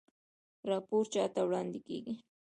راپور چا ته وړاندې کیږي؟